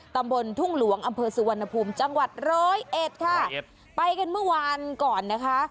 ตำบลทุ่งหลวงอำเภอสุวรรณภูมิจังหวัดร้อยเอ็ดค่ะไปกันเมื่อวานก่อนนะคะ